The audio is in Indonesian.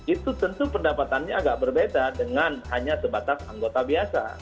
itu tentu pendapatannya agak berbeda dengan hanya sebatas anggota biasa